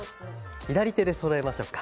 左手でそろえましょうか。